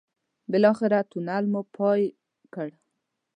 بالاخره تونل مو پای کړ.